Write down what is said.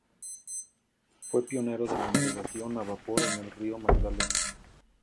Fue pionero de la navegación a vapor en el río Magdalena.